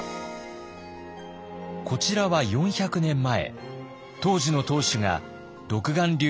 こちらは４００年前当時の当主が独眼竜